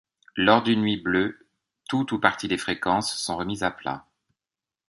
Lors d'une nuit bleue, tout ou partie des fréquences sont remises à plat.